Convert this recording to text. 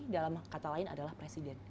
dalam kata lain adalah presiden